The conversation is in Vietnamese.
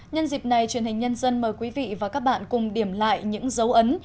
nhân dịp này truyền hình nhân dân mời quý vị và các bạn cùng điểm lại những dấu ấn